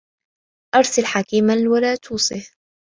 أرسل حكيما ولا توصه